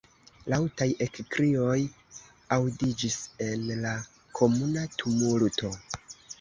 Laŭtaj ekkrioj aŭdiĝis en la komuna tumulto.